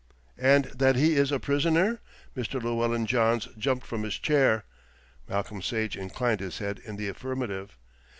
"And that he is a prisoner?" Mr. Llewellyn John jumped from his chair. Malcolm Sage inclined his head in the affirmative.